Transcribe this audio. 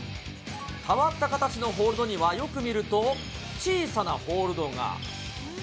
変わった形のホールドには、よく見ると小さなホールドが。